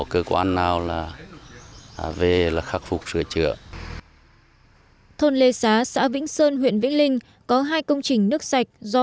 tỉnh quảng trị xã vĩnh sơn huyện vĩnh linh tỉnh quảng trị